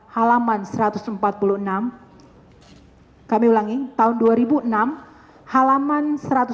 halaman satu ratus empat puluh enam kami ulangi tahun dua ribu enam halaman satu ratus enam puluh